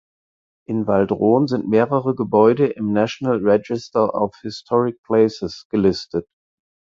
In Waldron sind mehrere Gebäude im National Register of Historic Places gelistet.